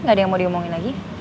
nggak ada yang mau diomongin lagi